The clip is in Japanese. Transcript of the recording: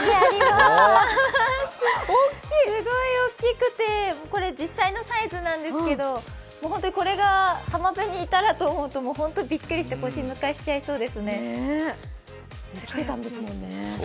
すごい大きくて、これ実際のサイズなんですけど本当にこれが浜辺にいたらと思うと本当にびっくりして腰抜かしちゃいそうですね。